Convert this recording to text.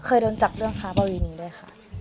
เคยโดนจับเรื่องค้าบาวินด้วยค่ะ